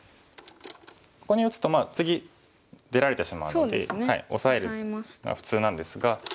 ここに打つと次出られてしまうのでオサエが普通なんですが。